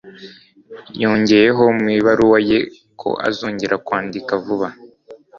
Yongeyeho mu ibaruwa ye ko azongera kwandika vuba